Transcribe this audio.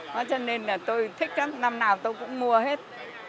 nó cho nên là tôi thích lắm năm nào tôi cũng mua hết